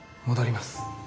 戻ります。